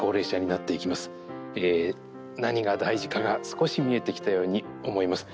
何が大事かが少し見えてきたように思います。